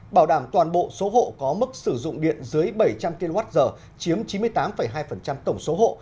bảo đảm toàn bộ số hộ có mức sử dụng điện dưới bảy trăm linh kwh chiếm chín mươi tám hai tổng số hộ